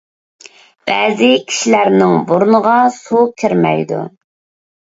بەزى كىشىلەرنىڭ بۇرنىغا سۇ كىرمەيدۇ.